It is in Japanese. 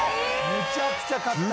むちゃくちゃ買った！